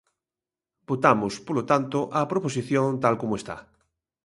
Votamos, polo tanto, a proposición tal como está.